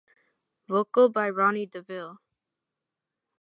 Vocal by Ronnie Deauville.